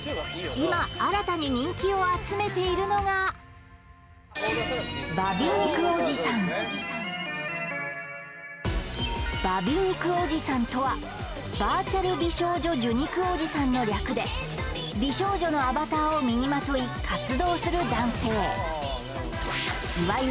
その中でバ美肉おじさんとはバーチャル美少女受肉おじさんの略で美少女のアバターを身にまとい活動する男性